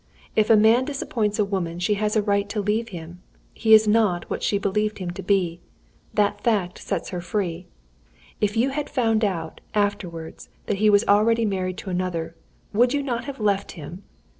If a man disappoints a woman she has a right to leave him. He is not what she believed him to be; that fact sets her free. If you had found out, afterwards, that he was already married to another, would you not have left him?